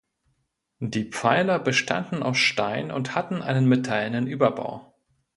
Die Pfeiler bestanden aus Stein und hatten einen metallenen Überbau.